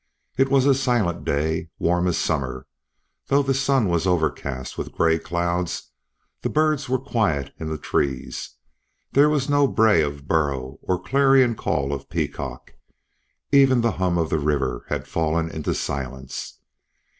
It was a silent day, warm as summer, though the sun was overcast with gray clouds; the birds were quiet in the trees; there was no bray of burro or clarion call of peacock, even the hum of the river had fallen into silence.